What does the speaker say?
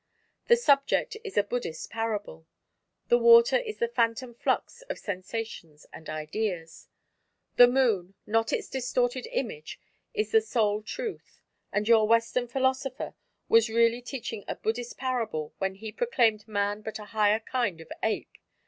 The subject is a Buddhist parable: the water is the phantom flux of sensations and ideas; the Moon not its distorted image is the sole Truth. And your Western philosopher was really teaching a Buddhist parable when he proclaimed man but a higher kind of ape.